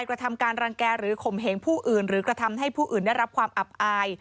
กระทำการรังแก่หรือข่มเหงผู้อื่นหรือกระทำให้ผู้อื่นได้รับความอับอาย